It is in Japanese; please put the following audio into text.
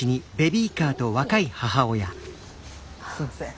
すいません。